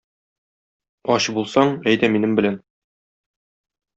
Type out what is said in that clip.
Ач булсаң, әйдә минем белән.